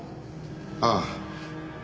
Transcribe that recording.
ああ。